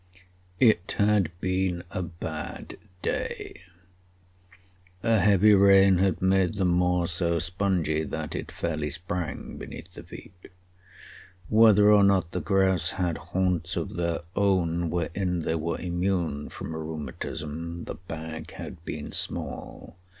It had been a bad day. A heavy rain had made the moor so spongy that it fairly sprang beneath the feet. Whether or not the grouse had haunts of their own, wherein they were immune from rheumatism, the bag had been small.